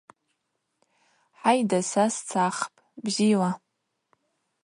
Хӏайда, са сцахпӏ, бзила.